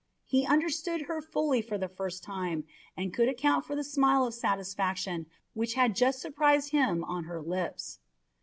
he understood her fully for the first time, and could account for the smile of satisfaction which had just surprised him on her lips.